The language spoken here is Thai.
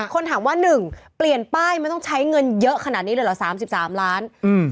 คนถามว่า๑เปลี่ยนป้ายไม่ต้องใช้เงินเยอะขนาดนี้เลยเหรอ๓๓ล้าน